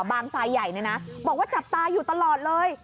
ทรายใหญ่เนี่ยนะบอกว่าจับตาอยู่ตลอดเลย